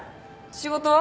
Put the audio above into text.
仕事は？